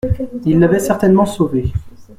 Il l'avait certainement sauvé.